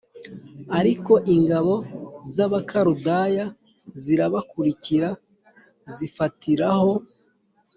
ariko ingabo z abakaludaya zirabakurikira zifatiraho